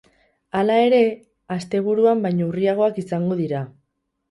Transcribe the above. Hala ere, asteburuan baino urriagoak izango dira.